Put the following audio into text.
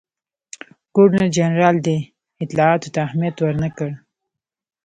ګورنرجنرال دې اطلاعاتو ته اهمیت ورنه کړ.